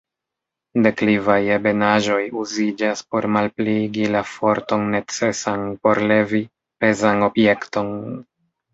Deklivaj ebenaĵoj uziĝas por malpliigi la forton necesan por levi pezan objekton.